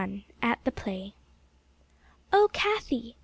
XXI AT THE PLAY "Oh, Cathie!"